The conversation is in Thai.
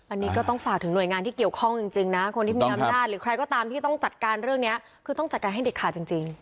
อันนี้ก็ต้องฝากถึงหน่วยงานที่เกี่ยวข้องจริงนะคนที่มีอำนาจหรือใครก็ตามที่ต้องจัดการเรื่องนี้คือต้องจัดการให้เด็ดขาดจริง